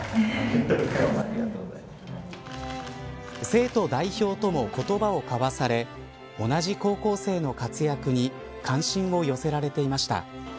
生徒代表とも言葉を交わされ同じ高校生の活躍に関心を寄せられていました。